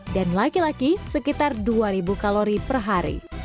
dan laki laki sekitar dua ribu kalori per hari